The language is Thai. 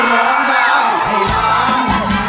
ร้องได้ให้ล้าน